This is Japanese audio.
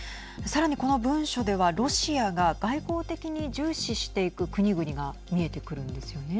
さらに、この文書ではロシアが外交的に重視していく国々が見えてくるんですよね。